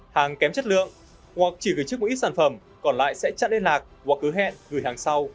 hàng kém chất lượng hoặc chỉ gửi trước mỗi ít sản phẩm còn lại sẽ chặn liên lạc hoặc cứ hẹn gửi hàng sau